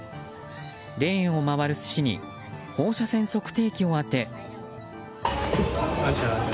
レーンを回る寿司に放射線測定器を当て。